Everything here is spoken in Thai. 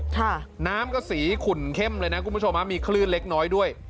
น้ำก็สีขุ่นเข้มเลยนะคุณผู้ชมฮะมีคลื่นเล็กน้อยด้วย